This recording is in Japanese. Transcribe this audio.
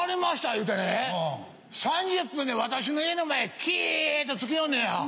言うてね３０分で私の家の前キィっとつけよんねや。